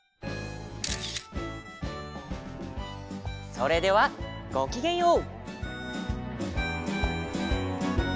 それではごきげんよう！